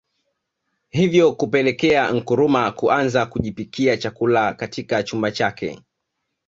Hivyo kupelekea Nkrumah kuanza kujipikia chakula katika chumba chake